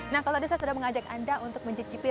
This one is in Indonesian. nah kalau tadi saya sudah mengajak anda untuk mencicipi